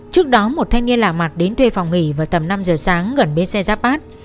trước đó một thanh niên lạ mặt đến thuê phòng nghỉ và tầm năm giờ sáng gần bến xe giáp bát